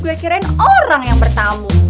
gue kirain orang yang bertamu